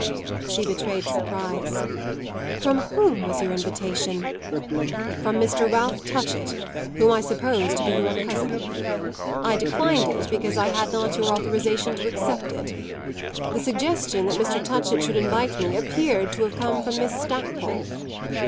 She betrayed surprise. "From whom was your invitation?" "From Mr. Ralph Touchett, whom I suppose to be your cousin. I declined it because I had not your authorisation to accept it. The suggestion that Mr. Touchett should invite me appeared to have come from Miss Stackpole."